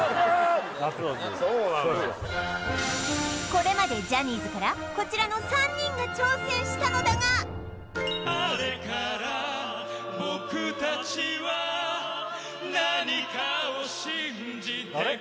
これまでジャニーズからこちらの３人が挑戦したのだがあれ？